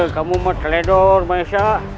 kamu tidak terlalu mudah maesya